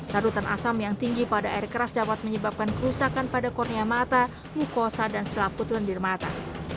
tarutan asam yang tinggi pada air keras dapat menyebabkan kerusakan pada kornia mata mukosa dan selaput lendir mata